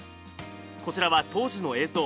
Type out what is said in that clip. こちらは当時の映像。